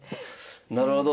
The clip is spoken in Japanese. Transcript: なるほど。